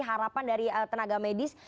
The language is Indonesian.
harapan dari tenaga medis